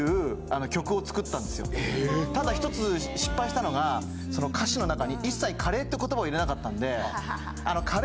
ただ１つ失敗したのがその歌詞の中に一切カレーって言葉を入れなかったんであの。